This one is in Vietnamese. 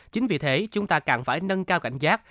chính vì thế chúng ta càng phải nâng cao cảnh giác